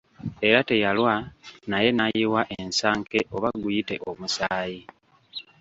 Era teyalwa naye n’ayiwa ensanke oba guyite omusaayi.